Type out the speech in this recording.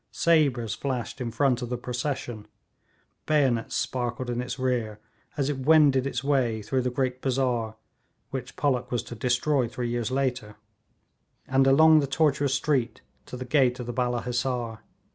Sabres flashed in front of the procession, bayonets sparkled in its rear, as it wended its way through the great bazaar which Pollock was to destroy three years later, and along the tortuous street to the gate of the Balla Hissar.